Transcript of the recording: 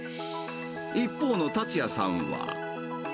一方の達也さんは。